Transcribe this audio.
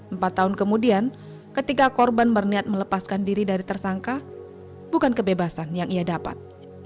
empat tahun kemudian ketika korban berniat melepaskan diri dari tersangka bukan kebebasan yang ia dapat